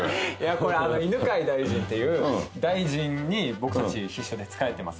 これ犬飼大臣っていう大臣に僕たち秘書で仕えてます。